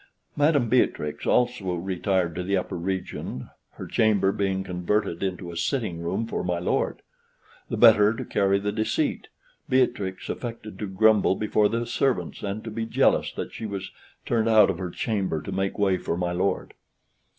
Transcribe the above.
Madam Beatrix also retired to the upper region, her chamber being converted into a sitting room for my lord. The better to carry the deceit, Beatrix affected to grumble before the servants, and to be jealous that she was turned out of her chamber to make way for my lord.